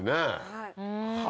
はい。